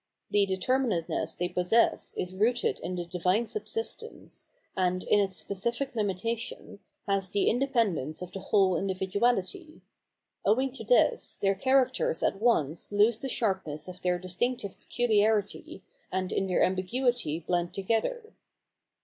The determinateness they possess is rooted in the divine subsistence, and, in its specific limitation, has the independence of the whole individuality; owing to this, their characters at once lose the sharpness of their distmctive peculiarity, and in their ambiguity blend together.